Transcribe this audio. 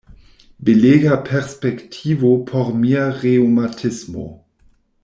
Belega perspektivo por mia reŭmatismo!